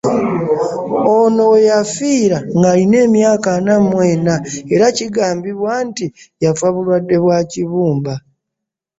Ono we yafiira ng’alina emyaka ana mu ena era kigambibwa nti yafa bulwadde bwa kibumba.